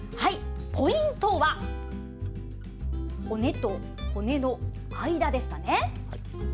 ポイントは骨と骨の間でしたね。